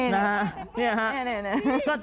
นี่นะ